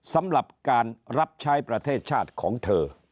สำหรับการรับใช้ประเทศชาติของเธอ